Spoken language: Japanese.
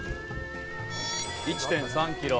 １．３キロ。